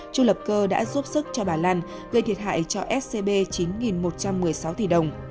chu lập cơ đã giúp sức cho bà lan gây thiệt hại cho scb chín một trăm một mươi sáu tỷ đồng